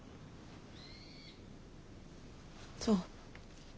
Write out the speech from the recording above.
そう。